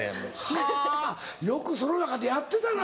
はぁよくその中でやってたな。